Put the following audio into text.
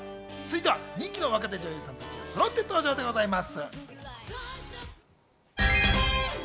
人気の若手女優さんたちがそろって登場でございます。